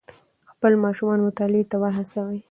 خپل ماشومان مطالعې ته وهڅوئ.